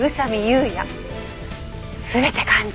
全て漢字。